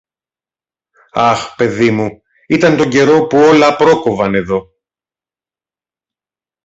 Αχ, παιδί μου, ήταν τον καιρό που όλα πρόκοβαν εδώ!